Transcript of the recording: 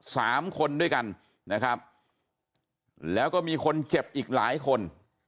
สามคนด้วยกันนะครับแล้วก็มีคนเจ็บอีกหลายคน